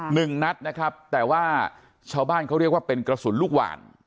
หนึ่งนัดนะครับแต่ว่าชาวบ้านเขาเรียกว่าเป็นกระสุนลูกหวาน